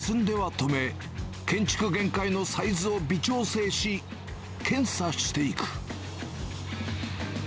少し進んでは止め、建築限界のサイズを微調整し、検査していく。